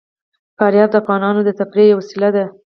فاریاب د افغانانو د تفریح یوه وسیله ده.